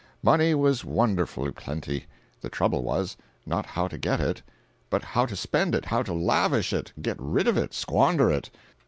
Money was wonderfully plenty. The trouble was, not how to get it,—but how to spend it, how to lavish it, get rid of it, squander it.